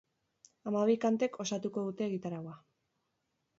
Hamabi kantek osatuko dute egitaraua.